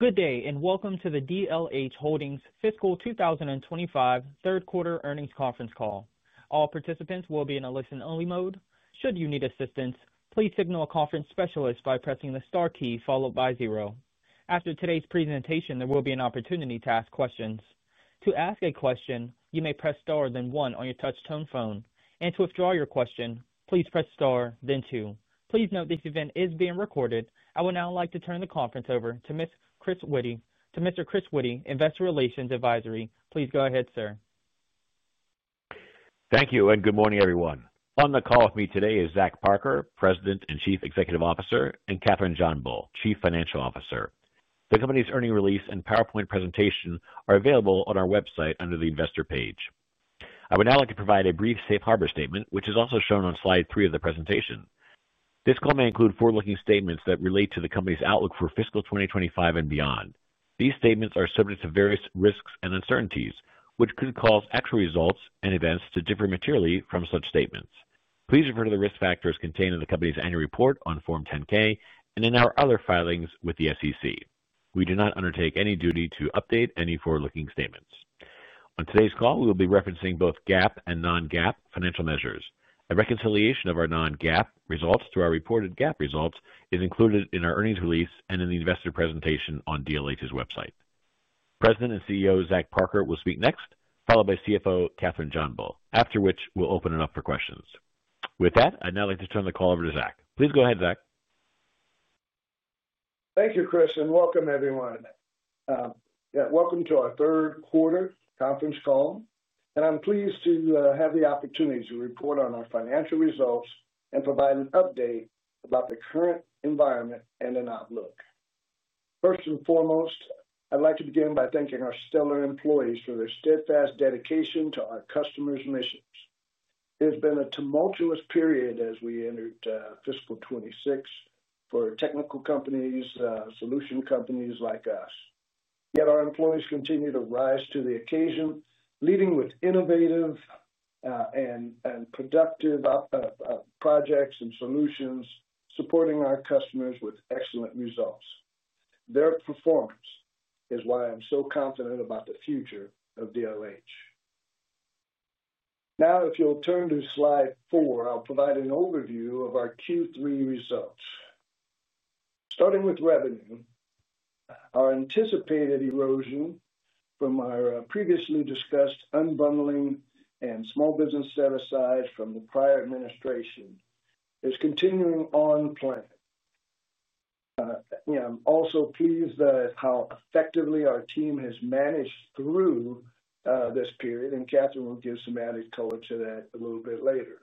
Good day and welcome to the DLH Holdings Fiscal 2025 Third Quarter Earnings Conference Call. All participants will be in a listen-only mode. Should you need assistance, please signal a conference specialist by pressing the star key followed by zero. After today's presentation, there will be an opportunity to ask questions. To ask a question, you may press star then one on your touch-tone phone, and to withdraw your question, please press star then two. Please note this event is being recorded. I would now like to turn the conference over to Mr. Chris Witty, to Mr. Chris Witty, Investor Relations Advisory, please go ahead, sir. Thank you and good morning, everyone. On the call with me today is Zach Parker, President and Chief Executive Officer, and Kathryn JohnBull, Chief Financial Officer. The company's earnings release and PowerPoint presentation are available on our website under the Investor page. I would now like to provide a brief safe harbor statement, which is also shown on slide three of the presentation. This call may include forward-looking statements that relate to the company's outlook for fiscal 2025 and beyond. These statements are subject to various risks and uncertainties, which could cause actual results and events to differ materially from such statements. Please refer to the risk factors contained in the company's annual report on Form 10-K and in our other filings with the SEC. We do not undertake any duty to update any forward-looking statements. On today's call, we will be referencing both GAAP and non-GAAP financial measures. A reconciliation of our non-GAAP results to our reported GAAP results is included in our earnings release and in the Investor presentation on DLH's website. President and CEO Zachary Parker will speak next, followed by CFO Kathryn M. JohnBull, after which we'll open it up for questions. With that, I'd now like to turn the call over to Zach. Please go ahead, Zach. Thank you, Chris, and welcome, everyone. Welcome to our third quarter conference call. I'm pleased to have the opportunity to report on our financial results and provide an update about the current environment and an outlook. First and foremost, I'd like to begin by thanking our stellar employees for their steadfast dedication to our customers' missions. It has been a tumultuous period as we entered fiscal 2026 for technical companies, solution companies like us. Yet our employees continue to rise to the occasion, leading with innovative and productive projects and solutions, supporting our customers with excellent results. Their performance is why I'm so confident about the future of DLH. Now, if you'll turn to slide four, I'll provide an overview of our Q3 results. Starting with revenue, our anticipated erosion from our previously discussed unbundling and small business set-asides from the prior administration is continuing on plan. I'm also pleased at how effectively our team has managed through this period, and Kathryn will give some added color to that a little bit later.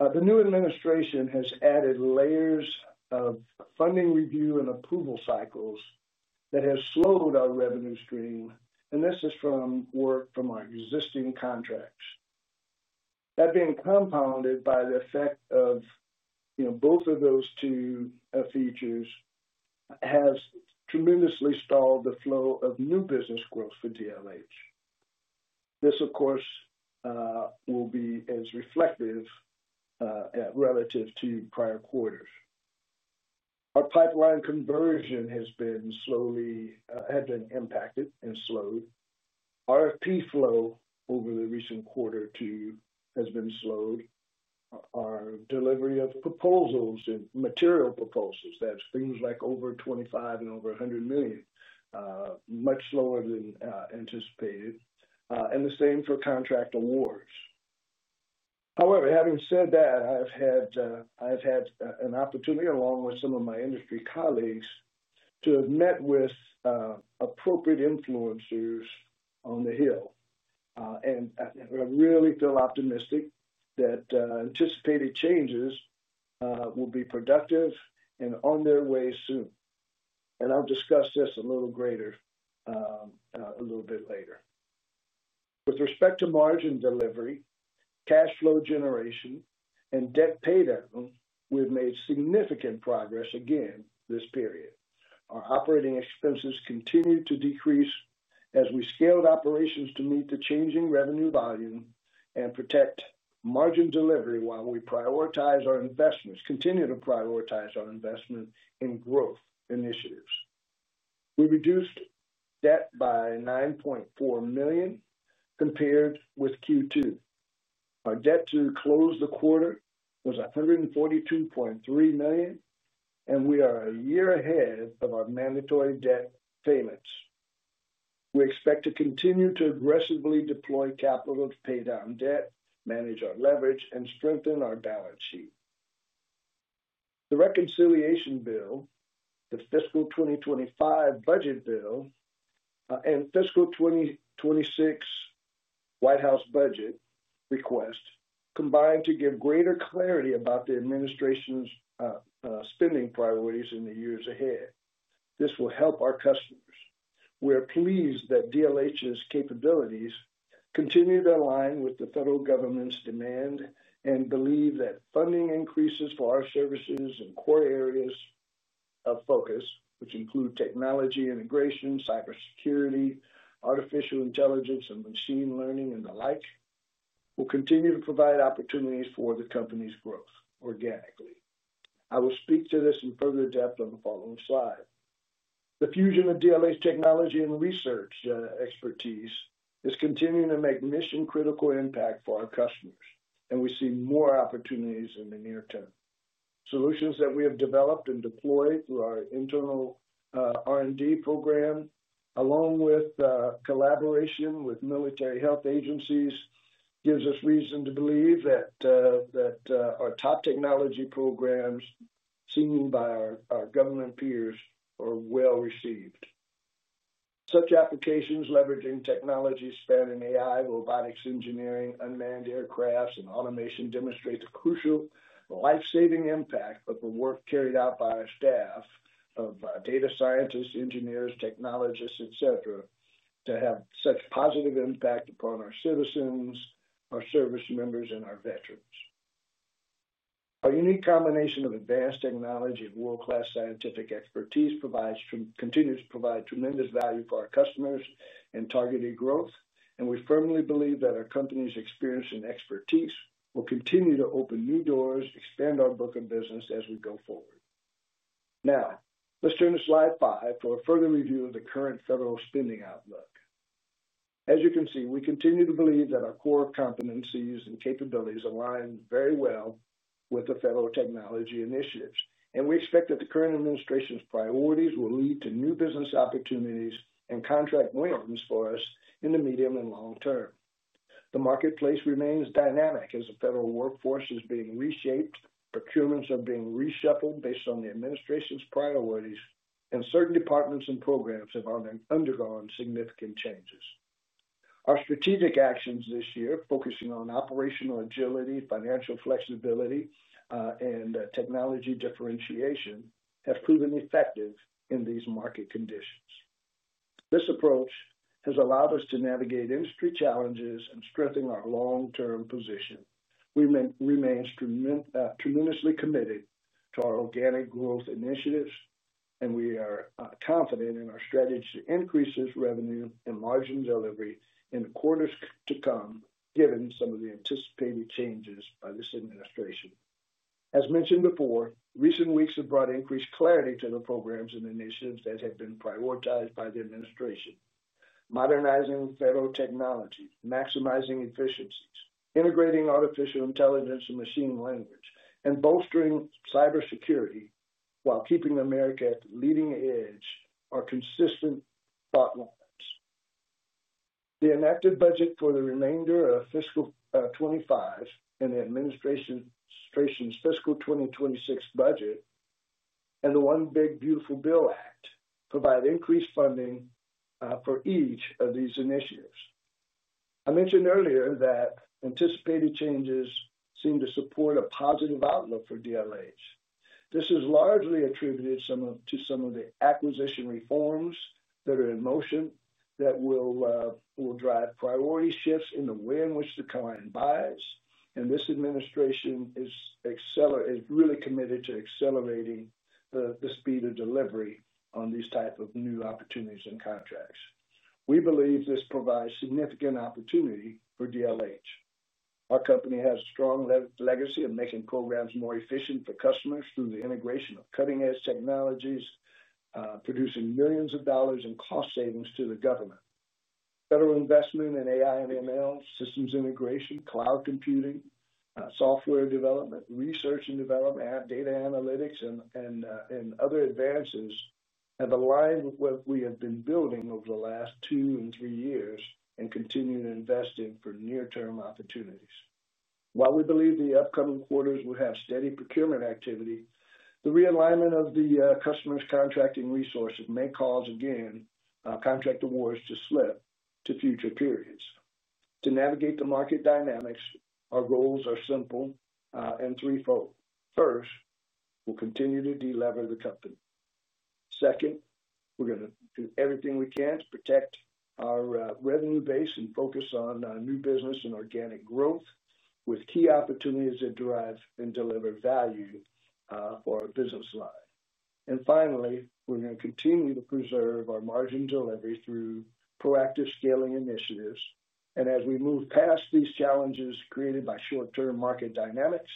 The new administration has added layers of funding review and approval cycles that have slowed our revenue stream, and this is from work from our existing contracts. That being compounded by the effect of both of those two features has tremendously stalled the flow of new business growth for DLH. This, of course, will be as reflective relative to prior quarters. Our pipeline conversion has been slowly impacted and slowed. Our fee flow over the recent quarter has been slowed. Our delivery of proposals and material proposals, that's things like over $25 million and over $100 million, much slower than anticipated. The same for contract awards. However, having said that, I've had an opportunity, along with some of my industry colleagues, to have met with appropriate influencers on the Hill. I really feel optimistic that anticipated changes will be productive and on their way soon. I'll discuss this a little greater, a little bit later. With respect to margin delivery, cash flow generation, and debt pay down, we've made significant progress again this period. Our operating expenses continue to decrease as we scaled operations to meet the changing revenue volume and protect margin delivery while we prioritize our investments, continue to prioritize our investment in growth initiatives. We reduced debt by $9.4 million compared with Q2. Our debt to close the quarter was $142.3 million, and we are a year ahead of our mandatory debt payments. We expect to continue to aggressively deploy capital to pay down debt, manage our leverage, and strengthen our balance sheet. The reconciliation bill, the fiscal 2025 budget bill, and fiscal 2026 White House budget request combined to give greater clarity about the administration's spending priorities in the years ahead. This will help our customers. We are pleased that DLH's capabilities continue to align with the federal government's demand and believe that funding increases for our services and core areas of focus, which include technology integration, cybersecurity, artificial intelligence, and machine learning and the like, will continue to provide opportunities for the company's growth organically. I will speak to this in further depth on the following slide. The fusion of DLH technology and research expertise is continuing to make mission-critical impact for our customers, and we see more opportunities in the near term. Solutions that we have developed and deployed through our internal R&D program, along with collaboration with military health agencies, give us reason to believe that our top technology programs seen by our government peers are well received. Such applications leveraging technologies spanning AI, robotics, engineering, unmanned aircraft, and automation demonstrate the crucial lifesaving impact of the work carried out by our staff of data scientists, engineers, technologists, et cetera, to have such positive impact upon our citizens, our service members, and our veterans. Our unique combination of advanced technology and world-class scientific expertise continues to provide tremendous value for our customers and targeted growth, and we firmly believe that our company's experience and expertise will continue to open new doors, expand our book of business as we go forward. Now, let's turn to slide five for a further review of the current federal spending outlook. As you can see, we continue to believe that our core competencies and capabilities align very well with the federal technology initiatives, and we expect that the current administration's priorities will lead to new business opportunities and contract loyalties for us in the medium and long term. The marketplace remains dynamic as the federal workforce is being reshaped, procurements are being reshuffled based on the administration's priorities, and certain departments and programs have undergone significant changes. Our strategic actions this year, focusing on operational agility, financial flexibility, and technology differentiation, have proven effective in these market conditions. This approach has allowed us to navigate industry challenges and strengthen our long-term position. We remain tremendously committed to our organic growth initiatives, and we are confident in our strategy to increase this revenue and margin delivery in the quarters to come, given some of the anticipated changes by this administration. As mentioned before, recent weeks have brought increased clarity to the programs and initiatives that have been prioritized by the administration. Modernizing federal technology, maximizing efficiencies, integrating artificial intelligence and machine learning, and bolstering cybersecurity while keeping America at the leading edge are consistent thought lines. The enacted budget for the remainder of fiscal 2025 and the administration's fiscal 2026 budget and the One Big Beautiful Bill Act provide increased funding for each of these initiatives. I mentioned earlier that anticipated changes seem to support a positive outlook for DLH. This is largely attributed to some of the acquisition reforms that are in motion that will drive priority shifts in the way in which the client buys, and this administration is really committed to accelerating the speed of delivery on these types of new opportunities and contracts. We believe this provides significant opportunity for DLH. Our company has a strong legacy of making programs more efficient for customers through the integration of cutting-edge technologies, producing millions of dollars in cost savings to the government. Federal investment in artificial intelligence and machine learning systems integration, cloud computing, software development, research and development, app data analytics, and other advances have aligned what we have been building over the last two and three years and continue to invest in for near-term opportunities. While we believe the upcoming quarters will have steady procurement activity, the realignment of the customer's contracting resources may cause again contract awards to slip to future periods. To navigate the market dynamics, our goals are simple and threefold. First, we'll continue to delever the company. Second, we're going to do everything we can to protect our revenue base and focus on new business and organic growth with key opportunities that drive and deliver value for our business line. Finally, we're going to continue to preserve our margin delivery through proactive scaling initiatives. As we move past these challenges created by short-term market dynamics,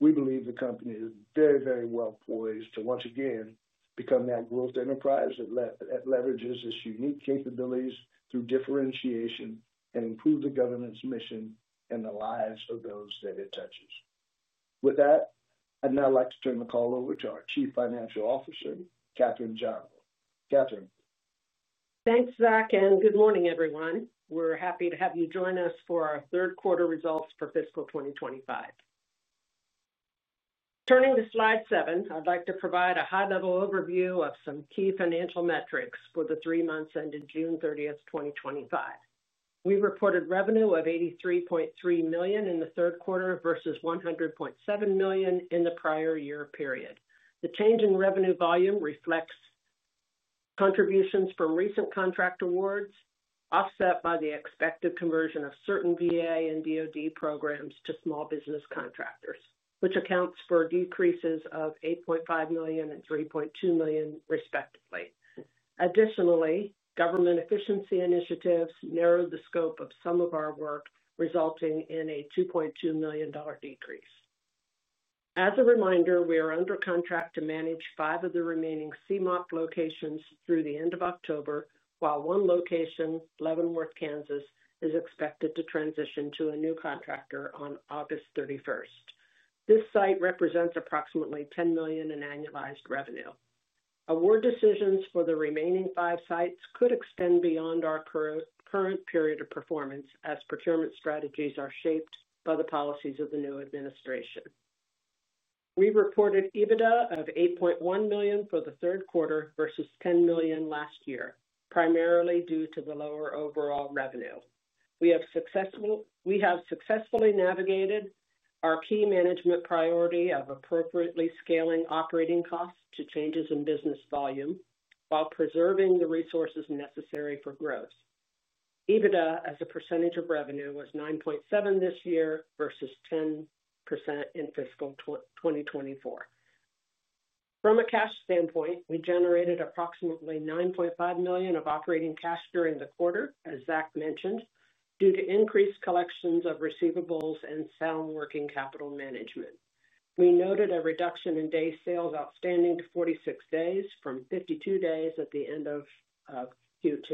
we believe the company is very, very well poised to once again become that growth enterprise that leverages its unique capabilities through differentiation and improves the government's mission and the lives of those that it touches. With that, I'd now like to turn the call over to our Chief Financial Officer, Kathryn John. Kathryn. Thanks, Zach, and good morning, everyone. We're happy to have you join us for our third quarter results for fiscal 2025. Turning to slide seven, I'd like to provide a high-level overview of some key financial metrics for the three months ending June 30th, 2025. We reported revenue of $83.3 million in the third quarter versus $100.7 million in the prior year period. The change in revenue volume reflects contributions from recent contract awards offset by the expected conversion of certain VA and DOD programs to small business contractors, which accounts for decreases of $8.5 million and $3.2 million, respectively. Additionally, government efficiency initiatives narrowed the scope of some of our work, resulting in a $2.2 million decrease. As a reminder, we are under contract to manage five of the remaining CMOP locations through the end of October, while one location, Leavenworth, Kansas, is expected to transition to a new contractor on August 31st. This site represents approximately $10 million in annualized revenue. Award decisions for the remaining five sites could extend beyond our current period of performance as procurement strategies are shaped by the policies of the new administration. We reported EBITDA of $8.1 million for the third quarter versus $10 million last year, primarily due to the lower overall revenue. We have successfully navigated our key management priority of appropriately scaling operating costs to changes in business volume while preserving the resources necessary for growth. EBITDA as a percentage of revenue was 9.7% this year versus 10% in fiscal 2024. From a cash standpoint, we generated approximately $9.5 million of operating cash during the quarter, as Zach mentioned, due to increased collections of receivables and sound working capital management. We noted a reduction in day sales outstanding to 46 days from 52 days at the end of Q2.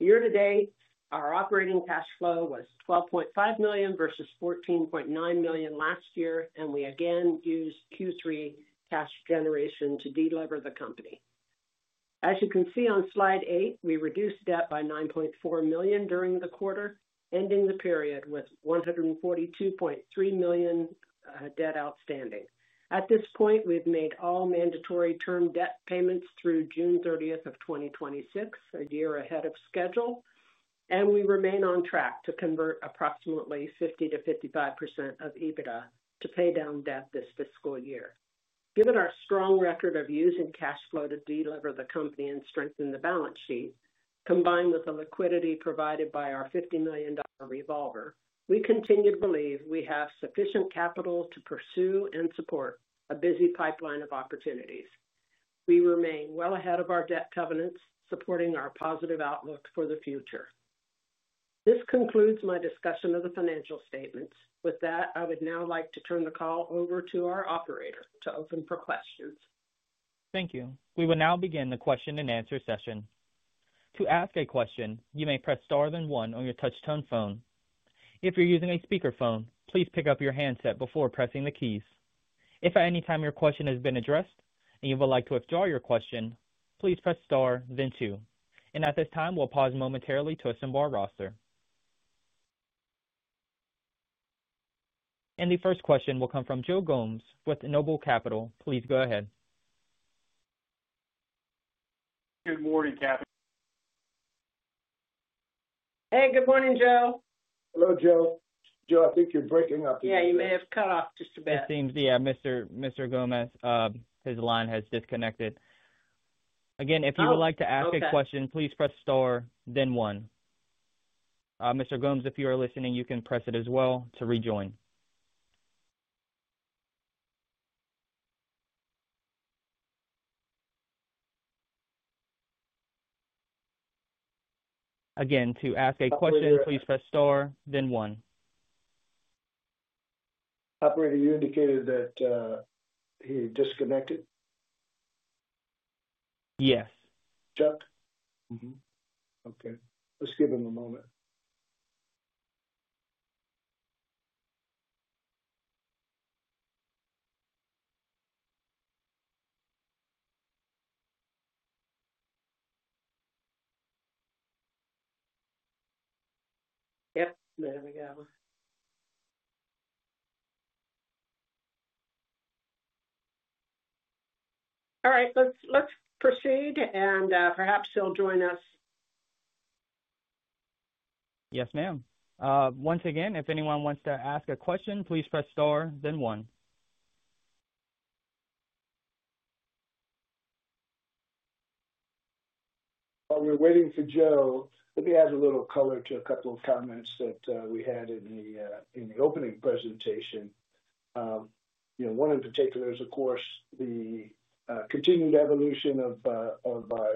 Year to date, our operating cash flow was $12.5 million versus $14.9 million last year, and we again used Q3 cash generation to delever the company. As you can see on slide eight, we reduced debt by $9.4 million during the quarter, ending the period with $142.3 million debt outstanding. At this point, we've made all mandatory term debt payments through June 30th, 2026, a year ahead of schedule, and we remain on track to convert approximately 50%-55% of EBITDA to pay down debt this fiscal year. Given our strong record of using cash flow to delever the company and strengthen the balance sheet, combined with the liquidity provided by our $50 million revolver, we continue to believe we have sufficient capital to pursue and support a busy pipeline of opportunities. We remain well ahead of our debt covenants, supporting our positive outlook for the future. This concludes my discussion of the financial statements. With that, I would now like to turn the call over to our operator to open for questions. Thank you. We will now begin the question and answer session. To ask a question, you may press star then one on your touch-tone phone. If you're using a speakerphone, please pick up your handset before pressing the keys. If at any time your question has been addressed and you would like to withdraw your question, please press star then two. At this time, we'll pause momentarily to assemble our roster. The first question will come from Joe Gomes with NOBLE Capital. Please go ahead. Good morning, Kathryn. Hey, good morning, Joe. Hello, Joe. I think you're breaking up. Yeah, you may have cut off just a bit. It seems Mr. Gomes, his line has disconnected. Again, if you would like to ask a question, please press star then one. Mr. Gomes, if you are listening, you can press it as well to rejoin. Again, to ask a question, please press star then one. Operator, you indicated that he disconnected? Yes. Chuck? Mm-hmm. Okay, let's give him a moment. All right, let's proceed, and perhaps he'll join us. Yes, ma'am. Once again, if anyone wants to ask a question, please press star then one. While we're waiting for Joe, let me add a little color to a couple of comments that we had in the opening presentation. You know, one in particular is, of course, the continued evolution of my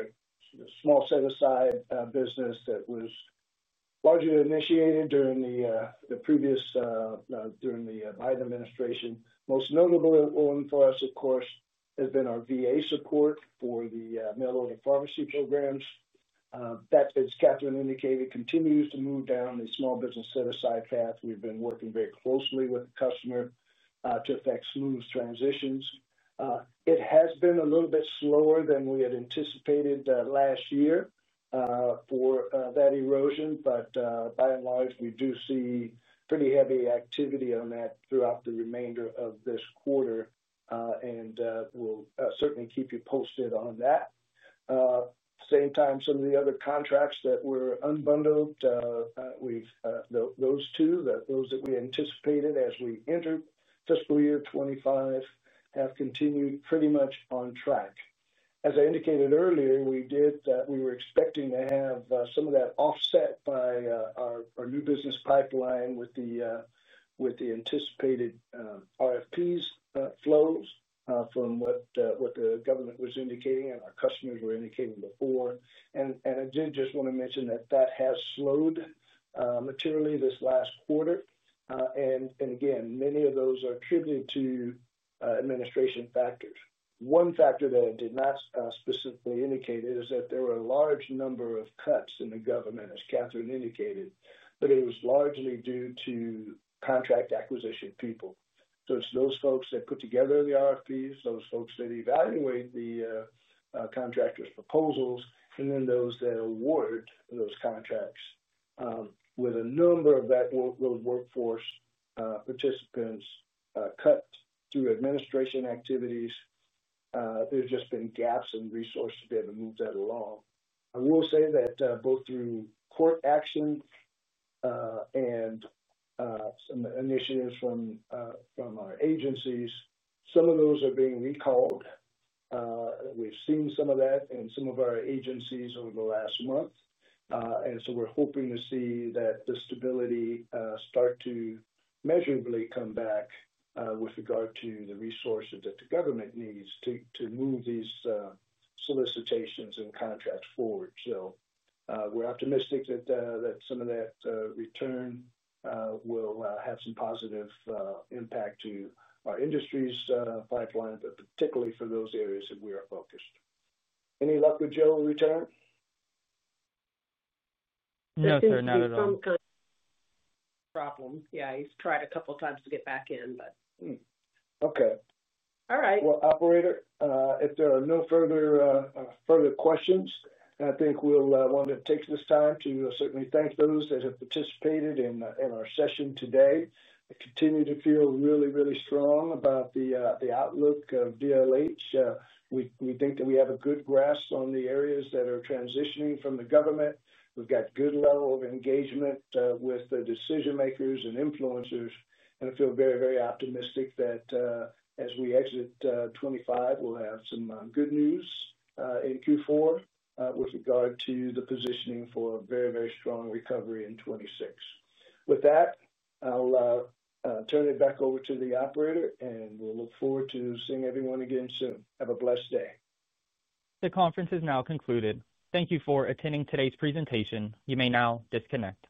small business set-aside that was largely initiated during the previous Biden administration. Most notable for us, of course, has been our VA support for the mail-order pharmacy programs. That's, as Kathryn indicated, continues to move down the small business set-aside path. We've been working very closely with the customer to affect smooth transitions. It has been a little bit slower than we had anticipated last year for that erosion, but by and large, we do see pretty heavy activity on that throughout the remainder of this quarter, and we'll certainly keep you posted on that. At the same time, some of the other contracts that were unbundled, those too, those that we anticipated as we entered fiscal year 2025 have continued pretty much on track. As I indicated earlier, we were expecting to have some of that offset by our new business pipeline with the anticipated RFPs flows from what the government was indicating and our customers were indicating before. I did just want to mention that that has slowed materially this last quarter. Many of those are attributed to administration factors. One factor that I did not specifically indicate is that there were a large number of cuts in the government, as Kathryn indicated, but it was largely due to contract acquisition people. It's those folks that put together the RFPs, those folks that evaluate the contractors' proposals, and then those that award those contracts. With a number of that workforce participants cut through administration activities, there's just been gaps in resources to be able to move that along. I will say that both through court actions and some initiatives from our agencies, some of those are being recalled. We've seen some of that in some of our agencies over the last month. We're hoping to see that the stability start to measurably come back with regard to the resources that the government needs to move these solicitations and contracts forward. We're optimistic that some of that return will have some positive impact to our industry's pipeline, but particularly for those areas that we are focused. Any luck with Joe in return? No, sir, not at all. He's had some kind of problem. He's tried a couple of times to get back in, but. Okay. All right. If there are no further questions, I think we'll want to take this time to certainly thank those that have participated in our session today. I continue to feel really, really strong about the outlook of DLH. We think that we have a good grasp on the areas that are transitioning from the government. We've got a good level of engagement with the decision-makers and influencers, and I feel very, very optimistic that as we exit 2025, we'll have some good news in Q4 with regard to the positioning for a very, very strong recovery in 2026. With that, I'll turn it back over to the operator, and we'll look forward to seeing everyone again soon. Have a blessed day. The conference is now concluded. Thank you for attending today's presentation. You may now disconnect.